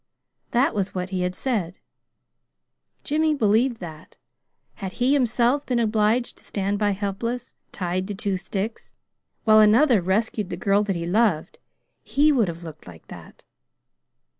That was what he had said. Jimmy believed that, had he himself been obliged to stand by helpless, "tied to two sticks," while another rescued the girl that he loved, he would have looked like that.